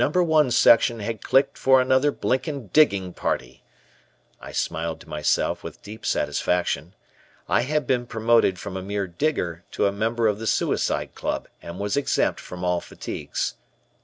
I Section had clicked for another blinking digging party," I smiled to myself with deep satisfaction. I had been promoted from a mere digger to a member of the Suicide Club, and was exempt from all fatigues.